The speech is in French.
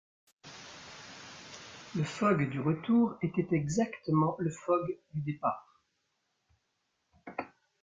Le Fogg du retour était exactement le Fogg du départ.